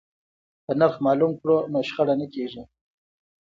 که نرخ معلوم کړو نو شخړه نه کیږي.